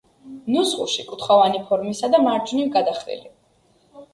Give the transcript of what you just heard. ნუსხურში კუთხოვანი ფორმისაა და მარჯვნივ გადახრილი.